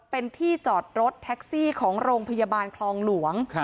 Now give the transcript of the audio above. เป็นที่จอดรถแท็กซี่ของโรงพยาบาลคลองหลวง